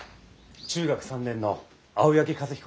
中学３年の青柳和彦の父です。